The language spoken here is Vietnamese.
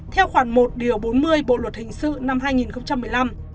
theo khoản một bốn mươi bộ luật hình sự năm hai nghìn một mươi năm